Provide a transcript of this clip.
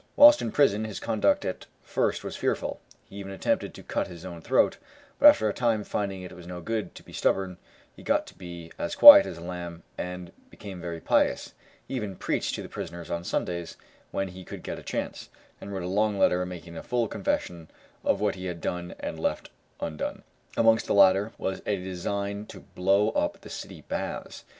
Whilst in prison his conduct at first was fearful, he even attempted to cut his own throat, but after a time finding it was no good to be stubborn, he got to be as quiet as a lamb, and became very pious, he even preached to the prisoners on Sundays when he could get a chance, and wrote a long letter making a full confession of what he had done and left undone. Amongst the latter was a design to blow up the City Baths.